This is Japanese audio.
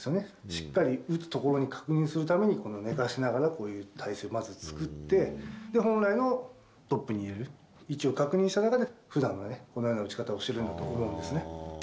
しっかり打つところを確認するために、この寝かせながらこういう体勢をまず作って、本来のトップに入れる位置を確認した中で、ふだんの打ち方をしているところだと思いますね。